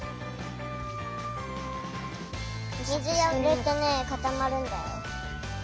水をいれるとねかたまるんだよ。